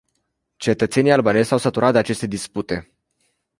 Cetățenii albanezi s-au săturat de aceste dispute.